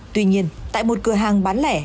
tuy nhiên tại một cửa hàng bán lẻ